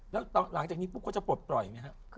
แล้วหลังจากนี้ปุ๊บเขาจะปลดปล่อยไหมครับ